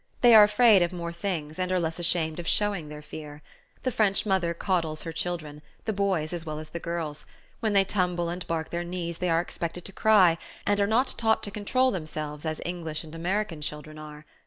They are afraid of more things, and are less ashamed of showing their fear. The French mother coddles her children, the boys as well as the girls: when they tumble and bark their knees they are expected to cry, and not taught to control themselves as English and American children are.